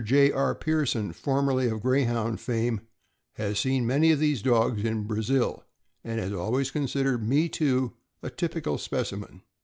J. R. Pierson, formerly of Greyhound fame, has seen many of these dogs in Brazil, and has always considered Me Too a typical specimen.